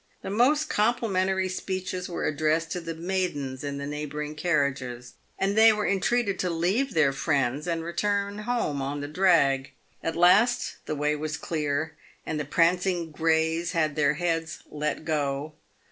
The most complimentary speeches were addressed to the maidens in the neighbouring carriages, and they were entreated to leave their friends and return home on the drag. At last the way was clear, and the prancing greys had their heads " let go."